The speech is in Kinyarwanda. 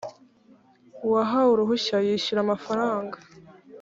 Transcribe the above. uwahawe uruhushya yishyura amafaranga